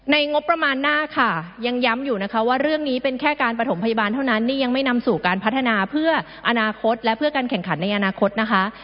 งบประมาณหน้าค่ะยังย้ำอยู่นะคะว่าเรื่องนี้เป็นแค่การประถมพยาบาลเท่านั้นนี่ยังไม่นำสู่การพัฒนาเพื่ออนาคตและเพื่อการแข่งขันในอนาคตนะคะ